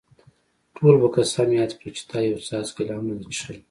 ټول به قسم یاد کړي چې تا یو څاڅکی لا هم نه دی څښلی.